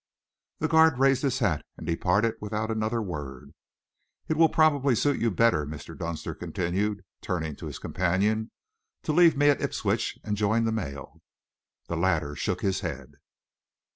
The guard raised his hat and departed without another word. "It will probably suit you better," Mr. Dunster continued, turning to his companion, "to leave me at Ipswich and join the mail." The latter shook his head.